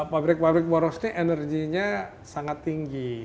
pabrik pabrik boros ini energinya sangat tinggi